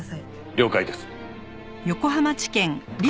了解です。